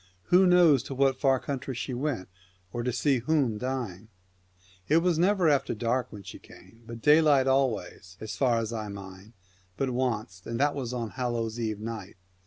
Who knows to what far country she went, or to see whom dying ?' It was never after dark she came, but daylight always, as far as I mind, but wanst, and that was on a Hallow Eve night.